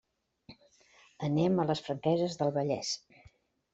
Anem a les Franqueses del Vallès.